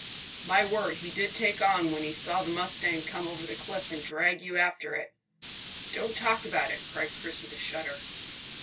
"My word, he did take on when he saw the mustang come over the cliff and drag you after it!" "Don't talk about it," cried Chris with a shudder.